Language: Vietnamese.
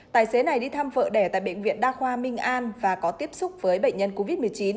tài xế này đi thăm vợ đẻ tại bệnh viện đa khoa minh an và có tiếp xúc với bệnh nhân covid một mươi chín